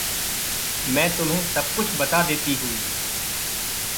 मैं तुम्हें सब कुछ बता देती हूँ।